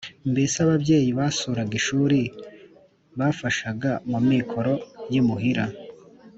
rr mbese ababyeyi basuraga ishuri bafashaga mu mikoro y imuhira